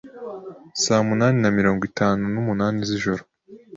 saa munani na mirongo itanu numunani z'ijoro